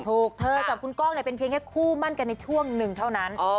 เธอกับคุณก้องเป็นเพียงแค่คู่มั่นกันในช่วงหนึ่งเท่านั้น